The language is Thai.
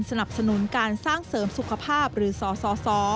สนับสนุนการสร้างเสริมสุขภาพหรือสส